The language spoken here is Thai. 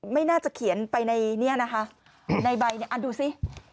ไม่น่าจะเขียนไปในนี้นะคะในใบเนี่ยดูสิ